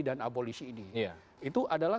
dan abolisi ini itu adalah